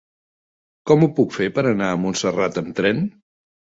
Com ho puc fer per anar a Montserrat amb tren?